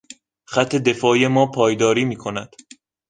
خط دفاعی ما پایداری میکند.